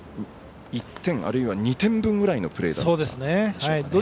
１点あるいは２点分ぐらいのプレーだったでしょうかね。